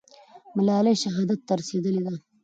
ملالۍ شهادت ته رسېدلې ده.